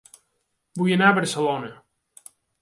Vull anar a Barcelona